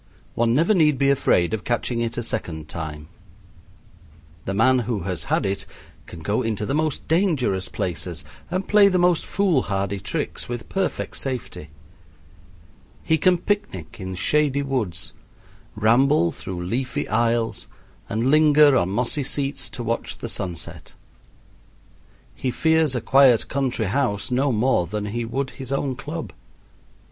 One never need be afraid of catching it a second time. The man who has had it can go into the most dangerous places and play the most foolhardy tricks with perfect safety. He can picnic in shady woods, ramble through leafy aisles, and linger on mossy seats to watch the sunset. He fears a quiet country house no more than he would his own club.